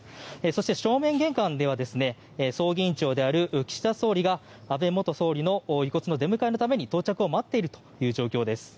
そして、正面玄関では葬儀委員長である岸田総理が安倍元総理の遺骨の出迎えのために到着を待っている状況です。